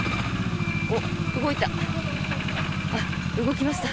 お、動いた。